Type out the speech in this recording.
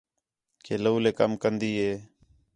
کہ لَولے کَم کندی ہے